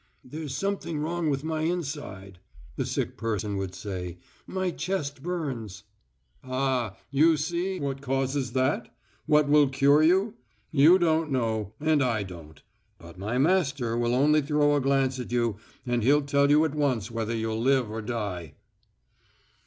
"There's something wrong with my inside ..." the sick person would say, "my chest burns...." "Ah, you see what causes that? What will cure you? You don't know, and I don't. But my master will only throw a glance at you and he'll tell you at once whether you'll live or die."